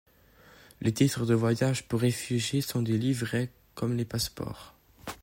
Les titres de voyage pour réfugiés sont des livrets, comme les passeports.